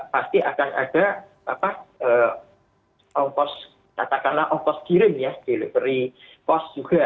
pasti akan ada katakanlah off cost kirim ya delivery cost juga